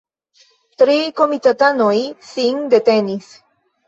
Tri komitatanoj sin detenis.